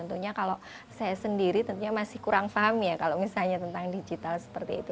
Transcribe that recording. tentunya kalau saya sendiri tentunya masih kurang paham ya kalau misalnya tentang digital seperti itu